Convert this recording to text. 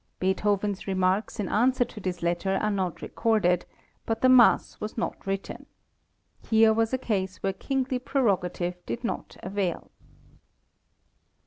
Beethoven's remarks in answer to this letter are not recorded, but the mass was not written. Here was a case where kingly prerogative did not avail.